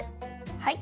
はい。